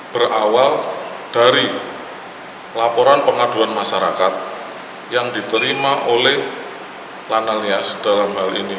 berawal dari laporan pengaduan masyarakat yang diterima oleh lanal nias dalam hal ini